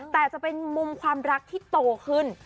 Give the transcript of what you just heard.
แต่จะเป็นมุมความรักที่โตขึ้น